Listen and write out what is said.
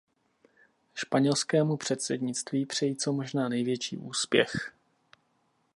Španělskému předsednictví přeji co možná největší úspěch.